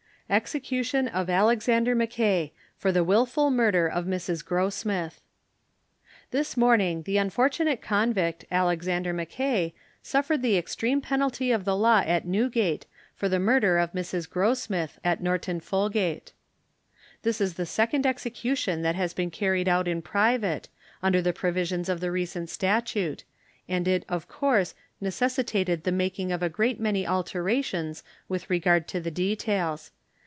EXECUTION OF ALEXANDER MACKAY For the Wilful Murder of Mrs. Grossmith. This morning the unfortunate convict, Alexander Mackay, suffered the extreme penalty of the law at Newgate, for the murder of Mrs. Grossmith, at Norton Folgate. This is the second execution that has been carried out in private, under the provisions of the recent statute, and it, of course, necessitated the making of a great many alterations with regard to the details.